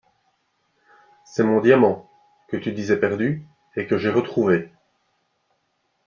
C’est mon diamant, que tu disais perdu, et que j’ai retrouvé.